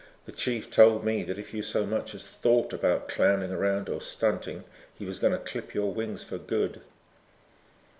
The chief told me that if you so much as thought about clowning around or stunting he was going to clip your wings for good."